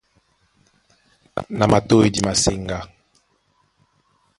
Na matôy di maseŋgá.